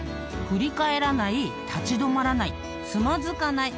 ［振り返らない立ち止まらないつまずかない］